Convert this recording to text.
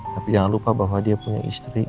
tapi jangan lupa bahwa dia punya istri